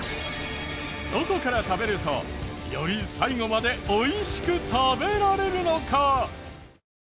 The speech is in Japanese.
どこから食べるとより最後まで美味しく食べられるのか？